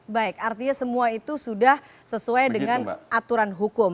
baik artinya semua itu sudah sesuai dengan aturan hukum